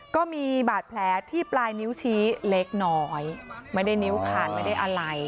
ก็มีบาดแผลที่ปลายนิ้วชี้เล็กน้อยไม่ได้นิ้วขาดไม่ได้อะไร